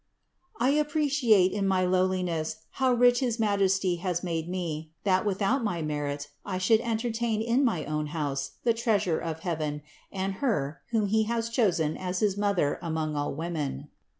I appreciate in my lowliness how rich his Majesty has made me, that without my merit I should entertain in my own house the Treasure of heaven and Her, whom He has chosen as his Mother among all women.